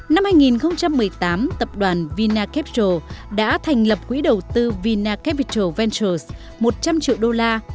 năm hai nghìn một mươi tám tập đoàn vinacapital đã thành lập quỹ đầu tư vinacapital ventures một trăm linh triệu đô la